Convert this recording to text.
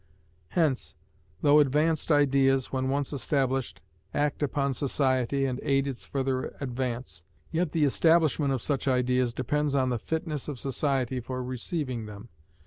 Hence, though advanced ideas, when once established, act upon society and aid its further advance, yet the establishment of such ideas depends on the fitness of society for receiving them.